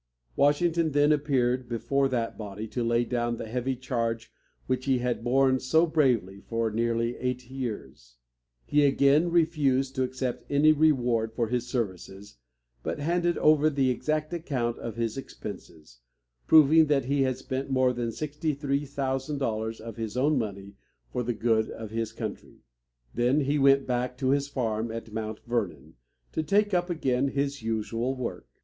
Washington then appeared before that body to lay down the heavy charge which he had borne so bravely for nearly eight years. He again refused to accept any reward for his services but handed over the exact account of his expenses, proving that he had spent more than sixty three thousand dollars of his own money for the good of his country. Then he went back to his farm at Mount Vernon, to take up again his usual work.